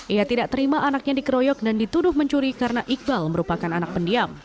ia tidak terima anaknya dikeroyok dan dituduh mencuri karena iqbal merupakan anak pendiam